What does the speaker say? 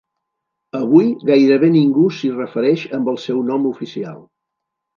Avui, gairebé ningú s'hi refereix amb el seu nom oficial.